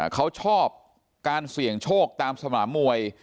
เขาชอบการเสี่ยงโชคตามสนามมวย